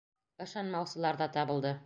Ышанмаусылар ҙа табылды.